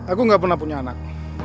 aku gak pernah punya anak